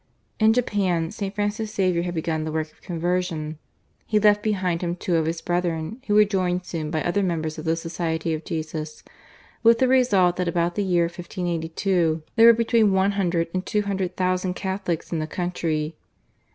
In Japan St. Francis Xavier had begun the work of conversion. He left behind him two of his brethren who were joined soon by other members of the Society of Jesus, with the result that about the year 1582 there were between one hundred and two hundred thousand Catholics in the country.